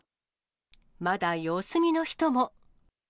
まだ様子見の人も。